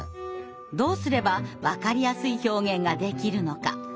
どうすればわかりやすい表現ができるのか。